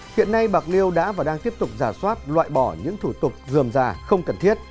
hiện nay bạc liêu đã và đang tiếp tục giả soát loại bỏ những thủ tục dườm già không cần thiết